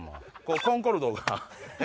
コンコルドが。